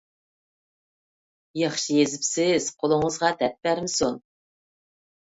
ياخشى يېزىپسىز، قولىڭىزغا دەرد بەرمىسۇن.